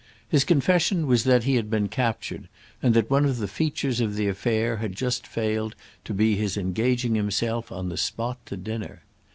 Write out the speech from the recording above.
His confession was that he had been captured and that one of the features of the affair had just failed to be his engaging himself on the spot to dinner.